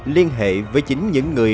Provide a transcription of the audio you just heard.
liên hệ với chính những người